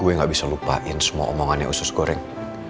gue gak bisa lupain semua omongannya usus goreng